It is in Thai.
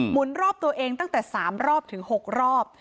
รอบตัวเองตั้งแต่๓รอบถึง๖รอบ